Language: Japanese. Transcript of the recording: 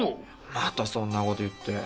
またそんなこと言って。